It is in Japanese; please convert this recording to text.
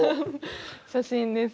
写真です。